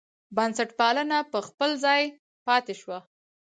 بنسټپالنه پر خپل ځای پاتې شوه.